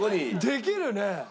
できるね！